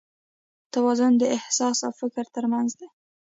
توازن د احساس او فکر تر منځ دی.